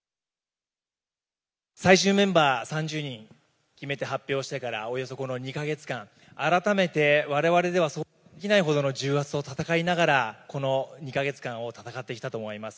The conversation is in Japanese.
最終メンバー３０人、決めて発表してからおよそこの２か月間、改めてわれわれでは想像できないほどの重圧と戦いながら、この２か月間を戦ってきたと思います。